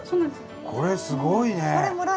これすごいね。